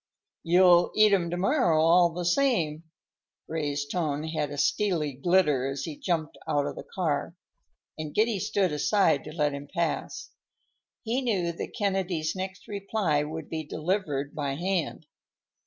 "You'll eat 'em to morrow, all the same." Ray's tone had a steely glitter as he jumped out of the car, and Giddy stood aside to let him pass. He knew that Kennedy's next reply would be delivered by hand.